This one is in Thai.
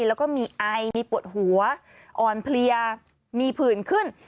แล้วก็มีไอมีปวดหัวอ่อนเพลียมีผื่นขึ้น